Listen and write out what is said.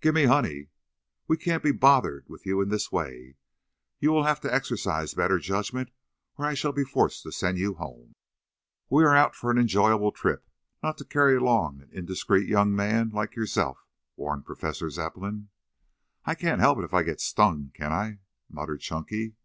"Give me honey." "We can't be bothered with you in this way. You will have to exercise better judgment, or I shall be forced to send you home. We are out for an enjoyable trip, not to carry along an indiscreet young man like yourself," warned Professor Zepplin. "I I can't help it if I get stung, can I?" muttered Chunky.